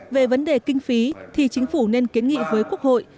về vấn đề kinh phí thì chính phủ nên kiến nghị với quốc hội